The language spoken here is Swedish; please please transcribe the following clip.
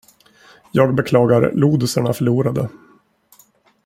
Jag beklagar. Lodisarna förlorade!